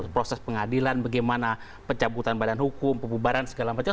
proses pengadilan bagaimana pencabutan badan hukum pembubaran segala macam